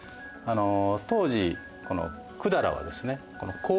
当時この百済はですね